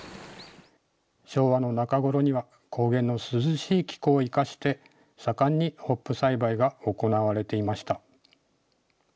昭和の中ごろには高原の涼しい気候を生かして、盛んにホップ栽培が行われていました。